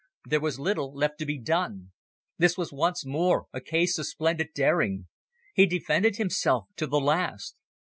There was little left to be done. This was once more a case of splendid daring. He defended himself to the last.